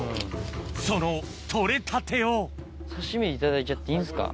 その取れたてを刺身でいただいちゃっていいんですか？